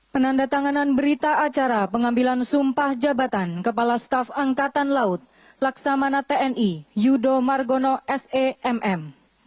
penanda tanganan berita acara pengambilan sumpah jabatan kepala staf angkatan laut laksamana tni yudo margono semm